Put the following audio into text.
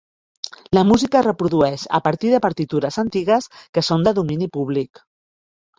La música es reprodueix a partir de partitures antigues que són de domini públic.